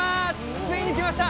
ついに来ました